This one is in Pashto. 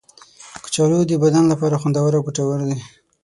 کچالو د بدن لپاره خوندور او ګټور دی.